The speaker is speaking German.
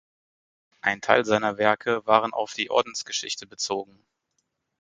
Ein Teil seiner Werke waren auf die Ordensgeschichte bezogen.